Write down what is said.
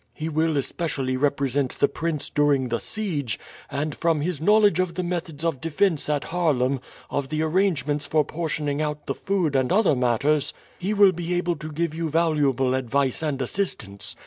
He will especially represent the prince during the siege, and from his knowledge of the methods of defence at Haarlem, of the arrangements for portioning out the food and other matters, he will be able to give you valuable advice and assistance.